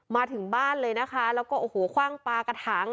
มาถึงบ้านเลยนะคะแล้วก็โอ้โหคว่างปลากระถาง